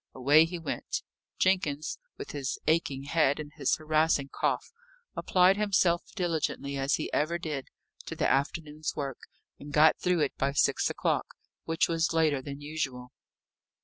Away he went. Jenkins, with his aching head and his harassing cough, applied himself diligently, as he ever did, to the afternoon's work, and got through it by six o'clock, which was later than usual.